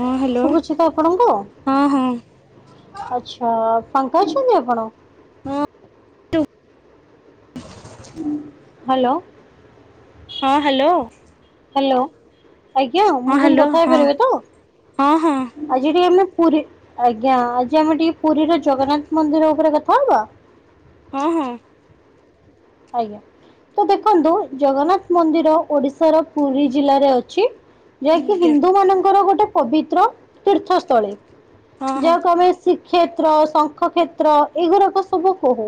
ହଁ ହ୍ୟାଲୋ ଶୁଭୁଛି ତ ଆପଣଙ୍କୁ ହଁ ହଁ ଆଛା। ଫାଙ୍କା ଅଛନ୍ତି ଆପଣ। ହଁ। [unintelligible] ହାଲୋ। ହଁ ହାଲୋ। ଆଜ୍ଞା ମୁଁ କହିଲି କଥା ହଁ ହେଇପାରିବି ତ ହଁ ଆଜି ଟିକେ ଆମେ ପୁରୀ ଆଜ୍ଞା ଆଜି ଆମେ ଟିକେ ପୁରୀ ର ଜଗନ୍ନାଥ ମନ୍ଦିର ଉପରେ କଥା ହବା। ହଁ- ହଁ। ଆଜ୍ଞା। ତ ଦେଖନ୍ତୁ ଜଗନ୍ନାଥ ମନ୍ଦିର ଓଡିଶାର ପୁରୀ ଜିଲ୍ଲାରେ ଅଛି। ଯାହାକି ଆଜ୍ଞା ହିନ୍ଦୁ ମାନଙ୍କର ଗୋଟେ ପବିତ୍ର ତୀର୍ଥସ୍ଥଳୀ। ହଁ ହଁ ଯାହାକୁ ଆମେ ଶ୍ରୀ କ୍ଷେତ୍ର, ଶଙ୍ଖକ୍ଷେତ୍ର ଏଗୁରାକ ସବୁ କହୁ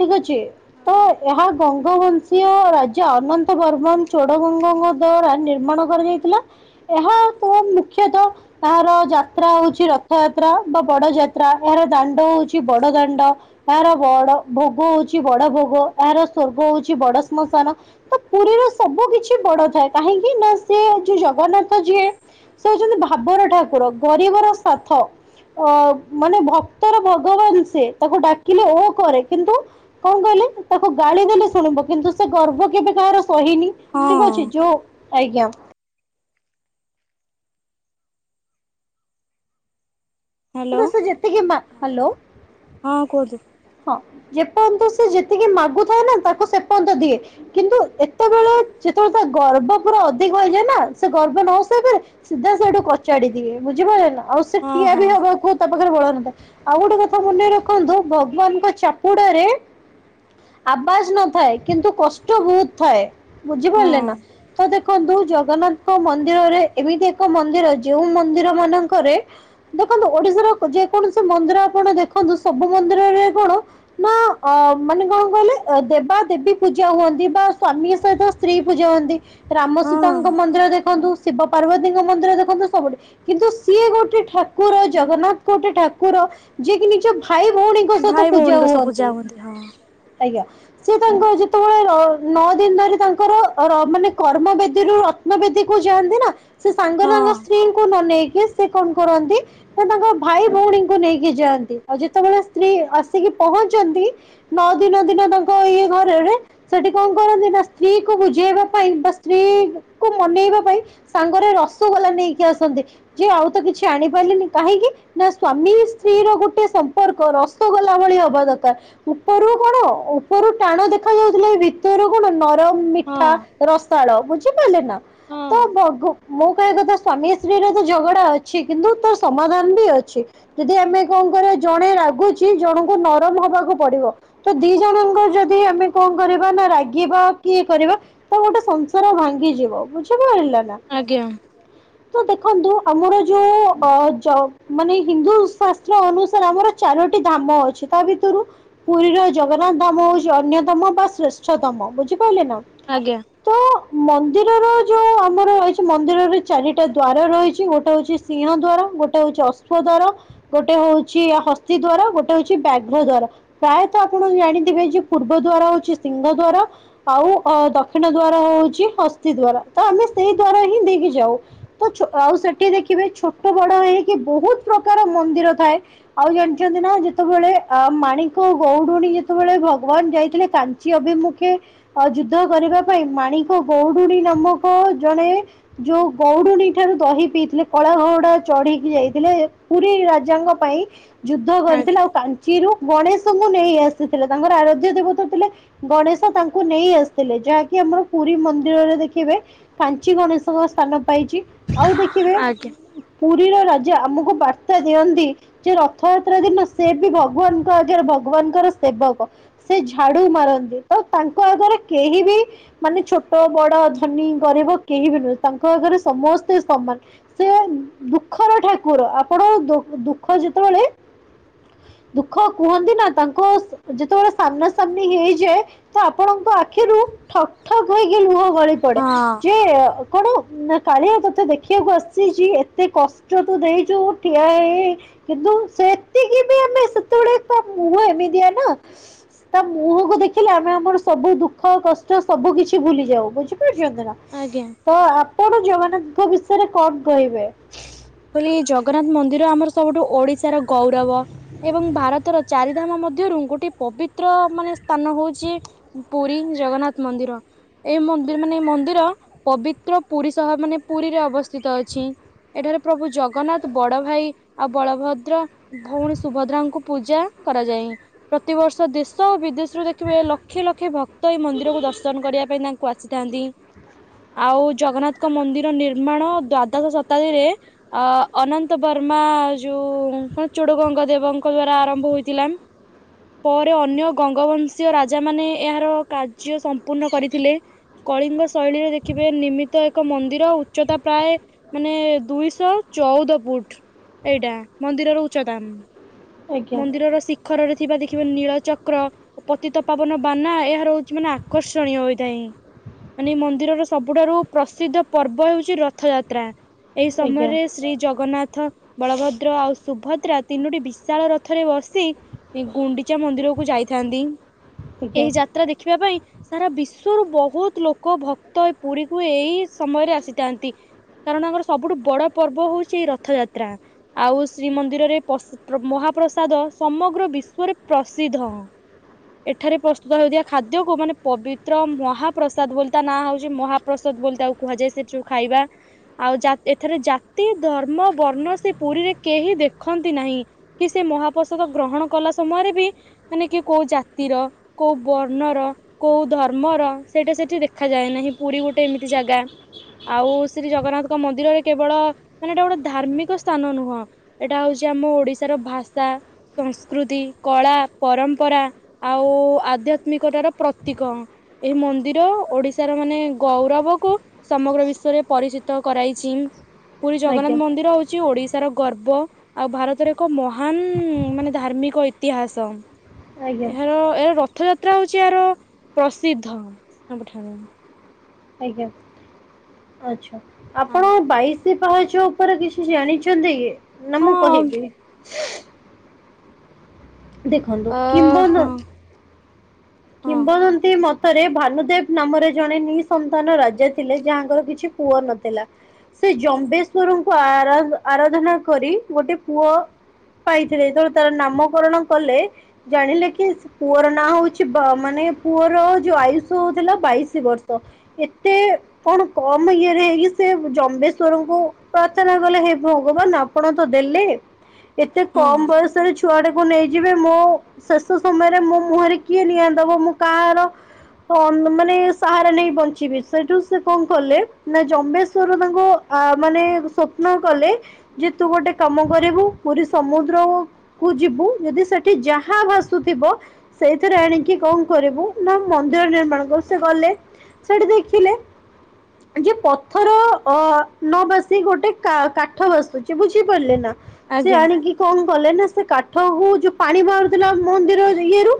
ଠିକ ଅଛି। ତ ଏହା ଗଙ୍ଗବଂଶୀୟ ରାଜା ଅନନ୍ତ ବର୍ମନ ଚୋଡଗଙ୍ଗଙ୍କ ଦ୍ଵାରା ନିର୍ମା ଣ କରାଯାଇଥିଲା ।ଏହା ତ ମୁଖ୍ୟତଃ ଏହାର ଯାତ୍ରା ହଉଛି ରଥଯାତ୍ରା। ବଡ ଯାତ୍ରା ଏହାର ଦାଣ୍ଡ ହଉଛି ବଡ ଦାଣ୍ଡ ଏହାର ବଡ ଭୋଗ ହଉଛି ବଡ ଭୋଗ। ଏହାର ସ୍ୱର୍ଗ ହଉଛି ବଡ ଶ୍ମଶାନ ତ ପୁରୀର ସବୁ କିଛି ବଡ ଥାଏ। କାହିଁକି ନା ସେ? ସେ ଯୋଉ ଜଗନ୍ନାଥ ଯିଏ ସେ ହଉଛନ୍ତି ଭାବର ଠାକୁର ଗରିବର ସାଥ। ଅ ମାନେ ଭକ୍ତର ଭଗବାନ ସେ ତାକୁ ଡାକିଲେ ଓ କରେ। କିନ୍ତୁ କଣ କହିଲେ? ତାକୁ ଗାଳି ଦେଲେ ଶୁଣିବ। କିନ୍ତୁ ସେ ଗର୍ବ କେବେ କାହାର ସହିନି। ହଁ ଠିକ ଅଛି ଯୋଉ ଆଜ୍ଞା। ହ୍ୟାଲୋ ତ ସେ ଯେତିକି, ହ୍ୟାଲୋ। ହଁ କୁହନ୍ତୁ ହଁ ଯେପର୍ଯ୍ୟନ୍ତ ସେ ଯେତିକି ମାଗୁଥାଏ ନା ତାକୁ ସେ ପର୍ଯ୍ୟନ୍ତ ଦିଏ। କିନ୍ତୁ ଏତେବେଳେ ଯେତେବେଳେ ତା ଗର୍ବ ପୁରା ଅଧିକ ହୋଇଯାଏ ନା, ସେ ଗର୍ବ ନ ସହିପାରି ସିଧା ସେଇଠୁ କଚାଡିଦିଏ ବୁଝିପାରିଲ ନା। ଆଉ ସେ ହଁ ଠିଆ ହଁ ବି ହବା କୁ ତା ପାଖରେ ବଳନଥାଏ ।ଆଉ ଗୋଟେ କଥା ମନେଇ ରଖନ୍ତୁ, ଭଗ୍ ଭଗବାନଙ୍କ ଚାପୁଡ଼ାରେ ଆବାଜ ନଥାଏ, କିନ୍ତୁ କଷ୍ଟ ବହୁତ ଥାଏ। ହଁ ବୁଝିପାରିଲେନା ତ ଦେଖ ଦେଖନ୍ତୁ ଜଗନ୍ନାଥଙ୍କ ମନ୍ଦିରରେ ଏମିତି ଏକ ମନ୍ଦିର, ଯେଉ ମନ୍ଦିର ମାନଙ୍କରେ ଦେଖନ୍ତୁ ଓଡିଶାର ଯେ କୌଣସି ମନ୍ଦିର ଆପଣ ଦେଖନ୍ତୁ ସବୁ ମନ୍ଦିରରେ କଣ ନା ଅ ମାନେ କଣ କହିଲେ, ଦେବା ଦେବୀ ପୂଜା ହୁଅନ୍ତି ବା ସ୍ଵାମୀ ସହିତ ସ୍ତ୍ରୀ ପୂଜା ହୁଅନ୍ତି ।ରାମ ସୀତାଙ୍କ ହଁ ମନ୍ଦିର ଦେଖନ୍ତୁ ଶିବ ପାର୍ବତୀଙ୍କ ମନ୍ଦିର ଦେଖନ୍ତୁ। ସବୁଠି କିନ୍ତୁ ସିଏ ଗୋଟେ ଠାକୁର ଜଗନ୍ନାଥ ଗୋଟେ ଠାକୁର ଯିଏ କି ନିଜ ଭାଇ ଭଉଣୀଙ୍କ ସହିତ ଭାଇ ପୂଜା ଭଉଣୀଙ୍କ ସବୁ ହୁଅନ୍ତି ପୂଜା ହଁ ।ଆଜ୍ଞା। ସେ ତାଙ୍କ ଯେତେବେଳେ ନଅ ଦିନରେ ତାଙ୍କର ମାନେ କର୍ମ ବେଦୀରୁ ରତ୍ନ ବେଦୀକୁ ଯାଆନ୍ତି ନା ସେ ସାଙ୍ଗରେ ତାଙ୍କ ହଁ ସ୍ତ୍ରୀଙ୍କୁ ନ ନେଇ ସେ କଣ କରନ୍ତି ସେ ତାଙ୍କ ଭାଇ ଭଉଣୀଙ୍କୁ ନେଇକି ଯାଆନ୍ତି। ଆଉ ଯେତେବେଳେ ସ୍ତ୍ରୀ ଆସିକି ପହଞ୍ଚନ୍ତି ନଅ ଦିନ ଦିନ ତାଙ୍କ ଇଏ ଘରରେ ସେଠି କଣ କରନ୍ତି ନା ସ୍ତ୍ରୀକୁ ବୁଝେଇବା ପାଇଁ ବା ସ୍ତ୍ରୀ କୁ ମନେଇବା ପାଇଁ ସାଙ୍ଗରେ ରସଗୋଲା ନେଇକି ଆସନ୍ତି। ଯେ ଆଉ ତ କିଛି ଆଣିପାରିଲିନି, କାହିଁକି ନା ସ୍ଵାମୀ ସ୍ତ୍ରୀ ର ଗୋଟେ ସମ୍ପର୍କ ରସଗୋଲା ଭଳିଆ ହବା ଦରକାର ।ଉପରୁ କଣ ଉପରୁ ଟାଣ ଦେଖା ଯାଉଥିଲେ ଭିତରୁ କଣ ନ ରମ୍ ହଁ ମିଠା, ରସାଳ ବୁଝିପାରିଲେ ନା। ତ ହଁ ଭଗ ମୁଁ କଥା ସ୍ଵାମୀ ସ୍ତ୍ରୀରେ ତ ଝଗଡା ଅଛି କିନ୍ତୁ ତାର ସମାଧାନ ବି ଅଛି। ଯଦି ଆମେ କଣ କରିଆ? ଜଣେ ରାଗୁଛି ଜଣଙ୍କୁ ନରମ ହବାକୁ ପଡିବ ।ତ ଦି ଜଣଙ୍କ ଯଦି ଆମେ କଣ କରିବା ନା ରାଗିବା କି କରିବା ତ ଗୋଟେ ସଂସାର ଭାଙ୍ଗିଯିବ, ବୁଝ ଆଜ୍ଞା। ତ ଦେଖନ୍ତୁ ଆମର ଯୋଉ ଅ ଯ ମାନେ ହିନ୍ଦୁ ଶାସ୍ତ୍ର ଅନୁସାରେ ଆମର ଚାରୋଟି ଧାମ ଅଛି, ତା ଭିତରୁ ପୁରୀର ଜଗନ୍ନାଥ ଧାମ ହଉଛି ଅନ୍ୟତମ ବା ଶ୍ରେଷ୍ଠତମ ବୁଝି ପାଇଲେ ନା ଆଜ୍ଞା ତ ମ୍ ମନ୍ଦିରର ଯୋଉ ଆମର ରହିଛି ମନ୍ଦିରରେ ଚାରିଟା ଦ୍ୱାର ରହିଛି। ଗୋଟେ ହଉଛି ସିଂହ ଦ୍ୱାର, ଗୋଟେ ହଉ ଛି ଅଶ୍ୱ ଦ୍ବାର, ଗୋଟେ ହଉଛି ହସ୍ତୀ ଦ୍ବାର ଗୋଟେ ହଉଛି ବ୍ୟାଘ୍ର ଦ୍ବାର। ପ୍ରାୟତଃ ଆପଣ ଜାଣିଥିବେ ଯେ ପୂର୍ବ ଦ୍ବାରହଉଛି ସିଂହ ଦ୍ୱାର ଆ ଆଉ ଅ ଦକ୍ଷିଣ ଦ୍ବାର ହଉଛି ହସ୍ତି ଦ୍ବାର ।ତ ଆମେ ସେଇ ଦ୍ଵାର ହିଁ ଦେଇକି ଯାଉ। ତ ଛୋ ଆଉ ସେଠି ଦେଖିବେ ଛୋଟ ବଡ ହେଇକି ବହୁତ ପ୍ରକାର ମନ୍ଦିର ଥାଏ। ଆଉ ଜାଣିଛନ୍ତି ନା ଯେତେବେଳେ ମାଣିକ ଗୌଡୁଣୀ, ଯେତେବେଳେ ଭଗବାନ ଯାଇଥିଲେ କାଞ୍ଚି ଅଭିମୁଖେ ଯୁଦ୍ଧ କରିବା ପାଇଁ ମାଣିକ ଗୌଡୁଣୀ ନାମକ ଜଣେ ଯୋଉ ଗୌଡୁଣୀ ଠାରୁ ଦ ହି ପିଇଥିଲେ କଳା ଘୋଡା ଚଢିକି ଯାଇଥିଲେ ।ପୁରୀ ରାଜାଙ୍କ ପାଇଁ ଯୁ ଥିଲା ଆଜ୍ଞା ଆଉ କାଞ୍ଛିରୁ ଗଣେଶଙ୍କୁ ନେଇ ଆସିଥିଲେ। ତାଙ୍କର ଆରାଧ୍ୟ ଦେବତା ଥିଲେ ଗଣେଶ ତାଙ୍କୁ ନେଇ ଆସିଥିଲେ। ଯାହାକି ଆମର ପୁରୀ ମନ୍ଦିରରେ ଦେଖିବେ କାଞ୍ଚି ଗଣେଶଙ୍କ ସ୍ଥାନ ପାଇଛି, ଆଉ ଦେଖିବେ ଉଁ, ଆଜ୍ଞା ପୁର ରୀର ରାଜା ଆମକୁ ବାର୍ତ୍ତା ଦିଅନ୍ତି ଯେ ରଥଯାତ୍ରା ଦିନ ସେ ବି ଭଗବାନଙ୍କ ଆଗରେ ଭଗବାନଙ୍କର ସେବକ। ସେ ଝାଡୁ ମାରନ୍ତି। ତ ତାଙ୍କ ଆଗରେ କେହି ବି ମାନେ ଛୋଟ, ବଡ, ଧନୀ, ଗରିବ କେହି ବି ନୁହେଁ। ତାଙ୍କ ଆଗରେ ସମସ୍ତେ ସ ସମାନ ସେ ଦୁଃଖର ଠାକୁର। ଆପଣ ଦ-ଦୁଃଖ ଯେତେବେଳେ ଦୁଃଖ କୁହନ୍ତି ନା ତାଙ୍କ ଯେତେବେଳେ ସାମ୍ନା ସାମ୍ନି ହେଇଯାଏ, ତ ଆପଣଙ୍କ ଆଖିରୁ ଠପ ଠପ ହେଇକି ଲୁହ ଗଳି ପଡେ। ହଁ ଯେ ଅ, କଣ ନା କାଳିଆ ତୋତେ ଦେଖିବାକୁ ଆସିଚି। ଏତେ କଷ୍ଟ ତୁ ଦେଇଚୁ। ଠିଆ ହେଇ ହେଇ କିନ୍ତୁ ସେ ସେତେବେଳେ ତା ମୁହଁ ଏମିତିଆ ନା ତା ମୁହଁକୁ ଦେଖିଲେ ଆମେ ଆମର ସବୁ ଦୁଃଖ କଷ୍ଟ ସବୁ କିଛି ଭୁଲି ଯାଉ। ବୁଝି ପାରୁଛନ୍ତି ନା। ଆଜ୍ଞା ତ ଆପଣ ଜଗନ୍ନାଥଙ୍କ ବିଷୟରେ କଣ କହିବେ? କହିଲି ଜଗନ୍ନାଥ ମନ୍ଦିର ଆମର ସବୁଠୁ ଓଡିଶାର ଗୌରବ ଏବଂ ଭାରତର ଚାରିଧାମ ମ ଧ୍ୟରୁ ଗୋଟେ ପବିତ୍ର ମାନେ ସ୍ଥାନ ହଉଚି ପୁରୀ ଜଗନ୍ନାଥ ମନ୍ଦିର। ଏ ମ ମନ୍ଦିର ମାନେ ମନ୍ଦିର ପବିତ୍ର ପୁରୀ ସହ ମାନେ ପୁରୀରେ ଅବସ୍ଥିତ ଅଛି। ଏଠାରେ ପ୍ରଭୁ ଜଗନ୍ନାଥ ବଡ ଭାଇ ଆଉ ବଳଭଦ୍ର ଭଉଣୀ ସୁଭଦ୍ରାଙ୍କୁ ପୂଜା କରାଯାଏ। ଏ ପ୍ରତିିବର୍ଷ ଦେଶ ଓ ବିଦେଶରୁୁ ଦେଖିବେ ଲକ୍ଷେ ଲକ୍ଷେ ଭକ୍ତ ଏଇ ମନ୍ଦିରକୁ ଦର୍ଶନ କରିବା ପାଇଁ ତାଙ୍କ କୁ ଆସିଥାନ୍ତି। ଆଉ ଜଗନ୍ନାଥଙ୍କ ମନ୍ଦିର ନିର୍ମାଣ ଦ୍ଵାଦଶ ଶତାବ୍ଦୀରେ ଅ, ଅନନ୍ତ ବର୍ମା ଯୋଉ କଣ ଚୁଡ ଗଙ୍ଗ ଦେବଙ୍କ ଦ୍ଵାରା ଆରମ୍ଭ ହୋଇଥିଲା। ପରେ ଅନ୍ୟ ଗଙ୍ଗବଂଶୀୟ ରାଜା ମାନେ ଏହାର କାର୍ଯ୍ୟ ସମ୍ପୂର୍ଣ୍ଣ କରିଥିଲେ। କଳିଙ୍ଗ ଶୈଳୀରେ ଦେଖିବେ ନିମିତ ଏକ ମନ୍ଦିର ଉଚ୍ଚତା ପ୍ରାୟ ମାନେ ଦୁଇଶ ଶହ ଚଉଦ ଫୁଟ ଏଇଟା ମନ୍ଦିରର ଉଚତା ଉଁ, । ଆଜ୍ଞା ମନ୍ଦିରର ଶିଖରରେ ଥିବା ଦେଖିବେ ନୀଳଚକ କ୍ର ଓ ପତିତପାବନ ବାନା ଏହାର ହଉଚି ମାନେ ଆକର୍ଷଣୀୟ ହୋଇଥାଇଁ। ମାନେ ଏଇ ମନ୍ଦିରର ସବୁଠାରୁ ପ୍ରସିଦ୍ଧ ପର୍ବ ହେଉଛି ରଥଯାତ୍ରା। ଏଇ ଆଜ୍ଞା ସମୟରେ ଶ୍ରୀ ଜଗନ୍ନାଥ, ବଳଭଦ୍ର ଆଉ ସୁଭଦ୍ରା ତିନୋଟି ବିଶାଳ ର ଥରେ ବସି ଇ-ଗୁଣ୍ଡିଚା ମନ୍ଦିରକୁ ଯାଇଥାନ୍ତି। ଆଜ୍ଞା ଏହି ଯାତ୍ରା ଦେଖିବା ପାଇଁ ସାରା ବିଶ୍ଵରୁ ବହୁତ ଲୋକ ଭକ୍ତ ଏ ପୁରୀ କୁ ଏଇ ସମୟରେ ଆସିଥାନ୍ତି। କାରଣ ତାଙ୍କର ସବୁଠୁ ବଡ ପର୍ବ ହଉଛି ରଥଯାତ୍ରା। ଆଉ ଶ୍ରୀମନ୍ଦିରରେ ପସ ପ୍ର ମହା ପ୍ରସାଦ ସମଗ୍ର ବିଶ୍ଵରେ ପ୍ରସିଦ୍ଧ। ଏଠାରେ ପ୍ରସ୍ତୁତ ହେଉଥିବା ଖାଦ୍ୟକୁୁ ମାନେ ପବିତ୍ର ମହାପ୍ରସାଦ ବୋଲି ତା ନାଁ ହଉଛି ମହାପ୍ରସା ଦ ବୋଲି ତାକୁ କୁହାଯାଏ। ସେ ଯୋଉ ଖାଇବା ଆଉ ଜା- ଏଥିରେ ଜାତି, ଧର୍ମ, ବର୍ଣ୍ଣ ସେ ପୁରୀ ରେ କେହି ଦେଖନ୍ତି ନାହିଁ। କି ସେ ମହାପ୍ରସାଦ ଗ୍ରହଣ କଲା ସମୟରେ ବି ମାନେ କି କୋଉ ଜାତିର, କୋଉ ବର୍ଣ୍ଣର କୋଉ ଧର୍ମର ସେଇଟା ସେଠି ଦେଖାାଯାଏ ନାହିଁ। ପୁରୀ ଗୋଟେ ଏମିତି ଜାଗା। ଆଉ ଶ୍ରୀ ଜଗନ୍ନାଥଙ୍କ ମନ୍ଦିରରେ କେବଳ ମାନେ ଏଇଟା ଗୋଟେ ଧାର୍ମିକ ସ୍ଥାନ ନୁହଁ। ଏଇଟା ହଉଛ ଯେ ଆମ ଓଡ଼ିଶାର ଭାଷା ସଂସ୍କୃତି, କଳା, ପରମ୍ପରା ଆଉ ଆଧ୍ୟାତ୍ମିକତାର ପ୍ରତୀକ। ଏହି ମନ୍ଦିର ଓଡିଶାର ମାନେ ଗୌରବ କୁ ସମଗ୍ର ବିଶ୍ଵରେ ପରିଚିତ କରାଇଚି। ପୁରୀ ଆଜ୍ଞା ଜଗନ୍ନାଥ ମନ୍ଦିର ହଉଛି ଓଡିଶାର ଗର୍ବ। ଆଉ ଭାରତରେ ଏକ ମହାନ ମାନେ ଧାର୍ମିକ ଇତିହାସ। ଆଜ୍ଞା ଏହାର ଏ ରଥଯା ତ୍ରା ହଉଛି ଏହାର ପ୍ରସିଦ୍ଧ ସବୁଠାରୁ। ଆଜ୍ଞା, ଆଚ୍ଛା ହଁ ଆପଣ ବାଇଶ ପାହଚ ଉପରେ କିଛି ଜାଣିଛନ୍ତି କି ନା ମୁଁ ହଁ କହିବି? ଦେଖନ୍ତୁ ଅ କିମ୍ବ ନ ହଁ। ହଁ କିମ୍ବଦନ୍ତୀ ମତରେ ଭାନୁଦେବ ନାମରେ ଜଣେ ନି ସନ୍ତାନ ରାଜା ଥିଲେ ଯାହାଙ୍କର କିଛି ପୁଅ ନଥିଲା ସେ ଜମ୍ବେଶ୍ଵର ଙ୍କୁ ଆରା ଆରାଧନା କରି ଗୋଟେ ପୁଅ। ପାଇଥିଲେ ଯେତେବେଳେ ତାର ନାମକରଣ କଲେ ଜାଣିଲେ କି ସେ ପୁଅର ନାଁ ହଉଛି ବ ମାନେ ପୁଅର ଯୋଉ ଆୟୁଷ ଥିଲା ବାଇଶ ବର୍ଷ ଏତେ କଣ କ ଆମ ଇଏରେ ହେଇକି ସେ ଜମ୍ବେଶ୍ଵରଙ୍କୁ ପ୍ରାର୍ଥନା କଲେ ହେ ଭଗବାନ ଆପଣ ତ ଦେଲେ। ଏତେ କମ ହଁ ବୟସରେ ଛୁଆ ଟାକୁ ନେଇଯିବେ ମୋ ଶେଷ ସମୟରେ ମୋ ମୁହଁରେ। କିଏ ନିଆଦବ ମୁଁ କାହାର? ଅନ ମାନେ ସାହାରା ନେଇ ବଞ୍ଚିବି ସେଇଠୁ ସେ କଣ କଲେ ନା ଜମ୍ବେଶ୍ଵର ତାଙ୍କ। ଆ ମାନେ ସ୍ୱପ୍ନ କଲେ ଯେ ତୁ ଗୋଟେ କାମ କରିବୁ ପୁରୀ ସମୁଦ୍ର କୁ ଯିବୁ ଯଦି ସେଠି ଯାହା ଭାସୁଥିବ ସେ ଥିରେ ଆଣିକି କଣ କରିବୁ ନା ମନ୍ଦିର ନିର୍ମାଣ କର ସେ ଗଲେ ସେଠି ଦେଖିଲେ। ଯେ ପଥର ଅ ନ ଭାସି ଗୋଟେ କା-କାଠ ଭାସୁଛି ବୁଝିପାରିଲେ ନା। ସେ ଆଜ୍ଞା ଆଣିକି କଣ କଲେ ନା ସେ କାଠ ହଉ ଯୋଉ ପାଣି ବାହାରୁଥିଲା ମନ୍ଦିର ଇଏରୁୁ।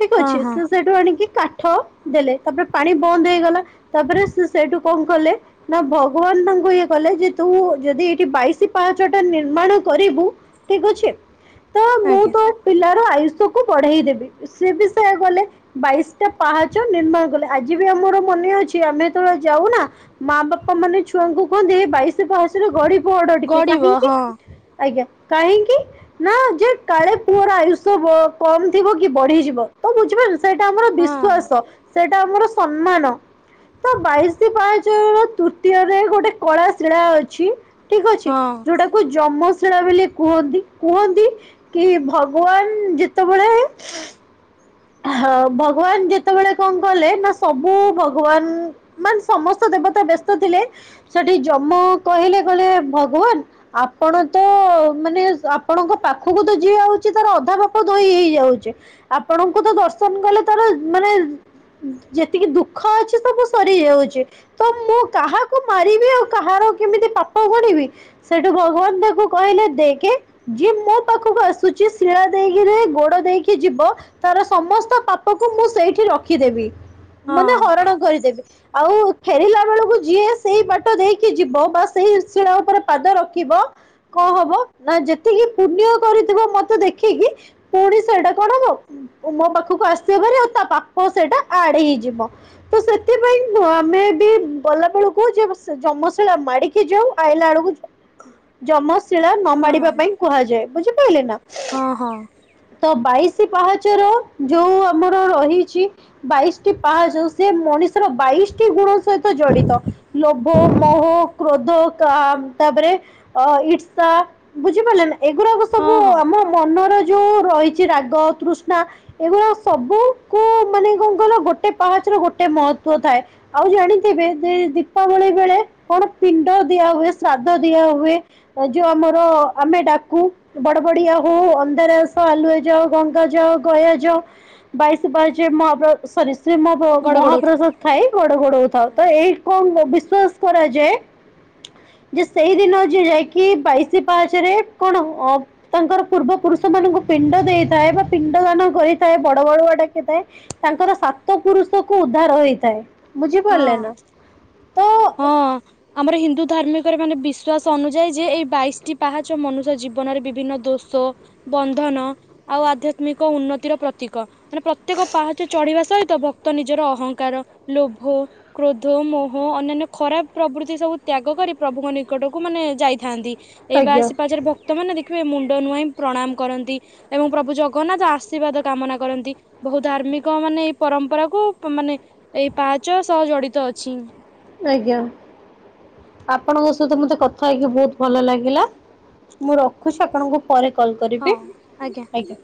ଠିକ ହଁ ଅଛି ହଁ ସେ ସେଠୁ ଆଣିକି କା ଡ଼ ଦେଲେ ତାପରେ ପାଣି ବନ୍ଦ ହେଇଗଲା ତାପରେ ସେ ସେଇଠୁ କଣ କଲେ ନା ଭଗବାନ ତା କୁ ଇଏ କଲେ ଯେ ତୁ ଯଦି ଏଇଠି ବାଇଶି ପାହାଚ ଟା ନିର୍ମାଣ କରିବୁ ଠିକ ଅଛି। ତ ମୁଁ ଆଜ୍ଞା ତୋ ପିଲାର ଆୟୁଷ କୁ ବଢେଇ ଦେବି ସେ ବି ସେୟା କଲେ ବାଇଶ ଟା ପାହାଚ ନିର୍ମାଣ କଲେ ଆଜି ବି ଆମର ମନେ ଅଛି ଆମେ ଯେତେବେଳେ ଯା ଉଁ ନା ମା ବାପା ମାନେ ଛୁଆଙ୍କୁ କୁହନ୍ତି ଏ ବାଇଶ ପାସରେ ଗଡି ପଡ ଟିକେ ଗଡିବ କାହିଁକି। ହଁ ଆଜ୍ଞା କାହିଁକି ନା ଯେ କାଳେ ପୁଅର ଆୟୁଷ ବ କମ ଥିବ କି ବଢିଯି ବ ତ ବୁଝିପାରୁଛ ସେଇଟା ଆମର ହଁ ବିଶ୍ଵାସ ସେଇଟା ଆମର ସନ୍ମାନ। ତ ବାଇଶ ପାହାଚ ର ତୃତୀୟରେ ଗୋଟେ କଳା ଶିଳା ଅଛି। ଠିକ ଅଛି ହଁ ଯୋଉଟାକୁ ଜମ ଶିଳା ବୋଲି କୁହନ୍ତି କୁହନ୍ତି କି ଭଗବାନ ଯେତେବେଳେ। ହଁ ଭଗବାନ ଯେତେବେଳେ କଣ କଲେ ନା ସବୁ ଭଗବାନ ମାନେ ସମସ୍ତ ଦେବତା ବ୍ୟସ୍ତ ଥିଲେ ସେଠି ଜମ କହିଲେ କହିଲେ ଭଗବାନ ଆପଣ ତ। ଅ ମାନେ ଆପଣଙ୍କ ପାଖକୁ ତ ଯିଏ ଆଉଛି ତାର ଅଧା ପାପ ଦୋଇ ହେଇଯାଉଛି ଆ ଆଣଙ୍କୁ ତ ଦର୍ଶନ କଲେ ତାର ମାନେ। ଯେତିକି ଦୁଃଖ ଅଛି ସବୁ ସରିଯାଉଛି ତ ମୁଁ କାହାକୁ ମାରିବି ଆଉ କାହାର କେମିତି ପାପ ଗଣିବି ସେଠୁ ଭଗବାନ ତାକୁ କହିଲେ ଦେଖେ ଯିଏ ମୋ ପାଖକୁ ଆସୁ ଶିଳା ଦେଇକିରି ଗୋଡ ଦେଇକି ଯିବ। ତାର ସମସ୍ତ ପାପକୁ ମୁଁ ସେଇଠି ରଖିଦେବି ହଁ ମାନେ ହରଣ କରିଦେବି। ଆଉ ଫେରିଲା ବେଳକୁ ଯିଏ ସେଇ ବାଟ ଦେଇକି ଯିବ ବା ସେଇ ଶିଳା ଉପରେ ପାଦ ରଖିବ। କଣ ହବ ନା ଯେତିକି ପୁଣ୍ୟ କରିଥିବ ମତେ ଦେଖିକି ପୁଣି ସେଇଟା କଣ ହବ। ଓ ମୋ ପାଖକୁ ଆସିବା ଭରି ଆଉ ତା ପାପ ସେଇଟା ଆଡ ହେଇଯିବ ତ ସେଥିପାଇଁ ନ ତମେ ବି ଗଲା ବେଳକୁ ଯେବସ ଯମଶିଳା ମାଡିକି ଯାଉ ଆଇଲା ବେଳକୁ। ଜମ ଶିଳା ନ ହଁ ମାଡିବା ପାଇଁ କୁହାଯାଏ ବୁଝିପାରିଲେ ନା ହଁ ହଁ ତ ବାଇଶି ପାହା ଚର ଯୋଉ ଆମର ରହିଛି ବାଇଶ ଟି ପାହାଚ ସେ ମଣିଷର ବାଇଶୀଟି ଗୁ ଣ ସହିତ ଜଡିତ ଲୋଭ ମୋହ କ୍ରୋଧ କା ତାପରେ ଆ ଇ ଷା ବୁଝିପାରିଲେ ନା ଏଗୁରାକ ସବୁ ହଁ ହଁ ଆମ ମନର ଯୋଉ ରହିଛି ରାଗ ତୃ ନା ଏଗୁରାକ ସବୁକୁ ମାନେ କଣ କହିଲ ଗୋଟେ ପାହାଚ ର ଗୋଟେ ମହତ୍ୱ ଥାଏ ଆଉ ଜାଣିଥିବେ ଯେ ଦୀପାବଳି ବେଳେ କଣ ପିଣ୍ଡ ଦିଆ ହୁଏ ଶ୍ରାଦ୍ଧ ଦିଆ ହୁଏ। ଯୋଉ ଆମର ଆମେ ଡ଼ା କୁ ବଡ ବଡିଆ ହଉ ଅନ୍ଧାରେ ଆସ ଆଲୁଏ ଯାଅ ଗଙ୍ଗା ଯାଅ। ଗୟା ଯାଅ ବାଇସି ପାହାଚେ ମହାପ୍ର ସରି। ସେ ମହାପ ଗଡ ଗଡଉଥା ମହାପ୍ରସାଦ ଖାଇ ଗୋଡ ଘୋଡଉ ଥାଅ ତ ଏଇ କଣ ବିଶ ତସ୍ କର ଯେ। [inaudible] ଯେ ସେଇ ଦିନ ଯି ଯାଇକି ବାଇଶି ପାହାଚ ରେ କଣ ଅ ତାଙ୍କର ପୂର୍ବ ପୁରୁଷ ମାନଙ୍କୁ ପିଣ୍ଡ ଦେଇଥାଏ ବା ପି ଦାନ କରିଥାଏ ବଡ ବଡିଆ ଡାକିଥାଏ ତାଙ୍କର ସାତ ପୁରୁଷ କୁ ଉଦ୍ଧାର ହେଇଥାଏ। ବୁ ଝି ହଁ ପାରିଲେ ନା। ତ ହଁ। ବିଶ୍ୱାସ ଅନୁଯାୟୀ ଯେ ଏଇ ବାଇଶଟି ପାହାଚ ମନୁଷ୍ୟ ଜୀବନରେ ବିଭିନ୍ନ ଦୋଷ ବନ୍ଧନ ଆଉ ଆଧ୍ୟାତ୍ମିକ ଉନ୍ନତିର ପ୍ରତୀକ। ମାନେ ପ୍ରତ୍ୟେକ ପାହାଚ ଚଢିବା ସହିତ ଭ ତ ନିଜର ଅହଂଙ୍କାର ଲୋଭ କ୍ରୋଧ ମୋହ ଅନ୍ୟାନ୍ୟ ଖରାପ ପ୍ରଭୃତି ସବୁ ତ୍ୟାଗ କରି ପ୍ରଭୁଙ୍କ ନିକଟକୁ ମାନେ ଯାଇଥାନ୍ତି। ଏଇ ବା ଆଜ୍ଞା ଆସି ପାଚରେ ଭକ୍ତମାନେ ଦେଖ ମୁଣ୍ଡ ନୁଆଇଁ ପ୍ରଣାମ କରନ୍ତି ଏବଂ ପ୍ରଭୁ ଜଗନ୍ନାଥ ଆଶୀର୍ବାଦ କାମନା କରନ୍ତି। ବହୁତ ଆ ଶମିକ ମାନେ ଏଇ ପରମ୍ପରା କୁ ମାନେ ଏଇ ପାହାଚ ସହ ଜଡିତ ଅଛି। ଆଜ୍ଞା ଆପଣଙ୍କ ସହିତ ମତେ କଥା ହେଇକି ବହୁତ ଭଲ ଲାଗିଲା। ମୁଁ ରଖୁଛି ଆପଣଙ୍କୁ ପରେ କଲ୍ ହଁ କରିବି ଆଜ୍ଞା।